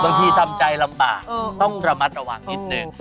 ทำใจลำบากต้องระมัดระวังนิดนึง